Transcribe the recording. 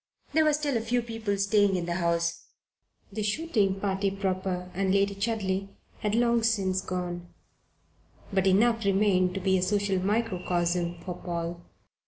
There were still a few people staying in the house the shooting party proper, and Lady Chudley, had long since gone but enough remained to be a social microcosm for Paul.